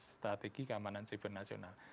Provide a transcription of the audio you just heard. strategi keamanan cyber nasional